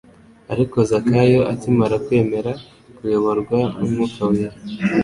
Ariko Zakayo akimara kwemera kuyoborwa n'Umwuka wera,